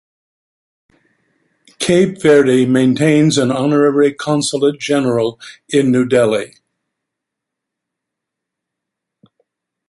Cape Verde maintains an Honorary Consulate General in New Delhi.